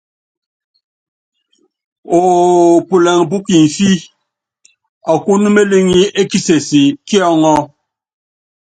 Oól pulɛŋ pú kimfi, ɔkɔ́n meliŋí é kises kí ɔŋɔ́.